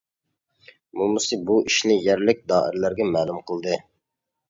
مومىسى بۇ ئىشنى يەرلىك دائىرىلەرگە مەلۇم قىلدى.